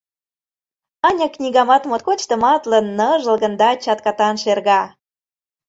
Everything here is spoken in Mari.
Аня книгамат моткоч тыматлын, ныжылгын да чаткатан шерга.